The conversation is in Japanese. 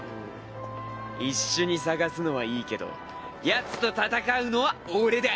一緒に捜すのはいいけどヤツと戦うのは俺だ！